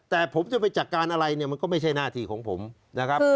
แต่ผมจะไปจัดการอะไรเนี่ยมันก็ไม่ใช่หน้าที่ของผมนะครับ